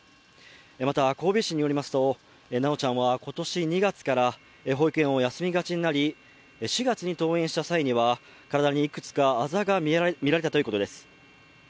また神戸市によりますと修ちゃんは今年２月から保育園を休みがちになり４月に登園した際には、体にいくつかあざが見られたということです。